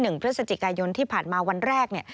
เพื่อสจิกายนที่ผ่านมาวันแรก